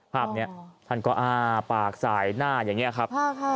ภาพนี้ท่านก็อ้าปากสายหน้าอย่างนี้ครับ